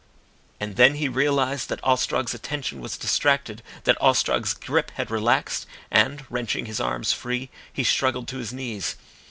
And then he realised that Ostrog's attention was distracted, that Ostrog's grip had relaxed, and, wrenching his arms free, he struggled to his knees.